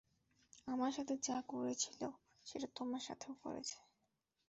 আমার সাথে যা করেছিল, সেটা তোমার সাথেও করেছে।